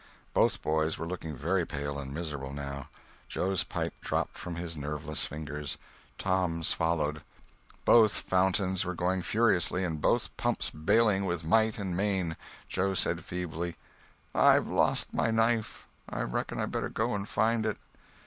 Both boys were looking very pale and miserable, now. Joe's pipe dropped from his nerveless fingers. Tom's followed. Both fountains were going furiously and both pumps bailing with might and main. Joe said feebly: "I've lost my knife. I reckon I better go and find it."